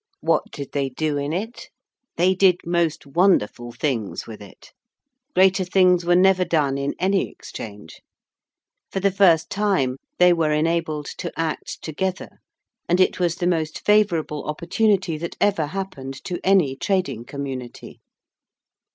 What did they do in it? They did most wonderful things with it. Greater things were never done in any Exchange. For the first time they were enabled to act together: and it was the most favourable opportunity that ever happened to any trading community.